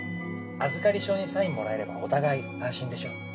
預かり証にサインもらえればお互い安心でしょう。